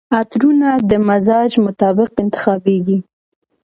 عطرونه د مزاج مطابق انتخابیږي.